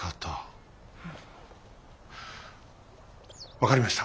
分かりました。